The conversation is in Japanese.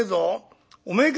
おめえか？